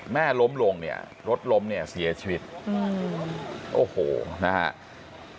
แม่ล้มลงรถล้มเสียชีวิตโอ้โหนะครับ